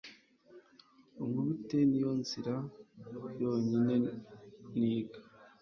unkubite ni yo nzira yonyine niga